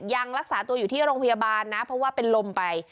ยังรักษาตัวอยู่ที่โรงพยาบาลนะเพราะว่าเป็นลมไป